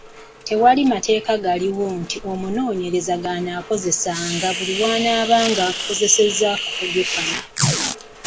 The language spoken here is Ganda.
Tewali mateeka gali awo nti omunoonyereza g’anaagobereranga buli lw’anaabanga akozesa akakodyo kano.